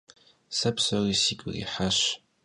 Se psori sigu yirihaş.